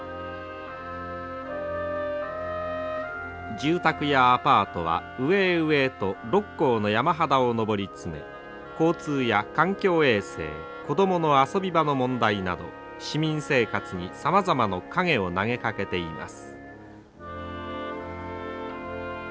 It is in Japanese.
住宅やアパートは上へ上へと六甲の山肌を上り詰め交通や環境衛生子どもの遊び場の問題など市民生活にさまざまの影を投げかけています。